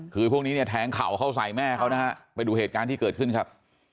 คือพวกนี้เนี่ยแทงเข่าเข้าใส่แม่เขานะฮะไปดูเหตุการณ์ที่เกิดขึ้นครับ